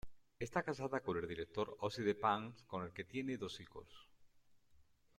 Está casada con el director Oxide Pang con el que tienen dos hijos.